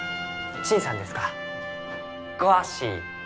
陳さんですか。